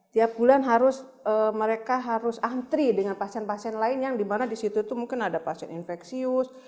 tiap bulan mereka harus antri dengan pasien pasien lain yang di mana di situ mungkin ada pasien infeksius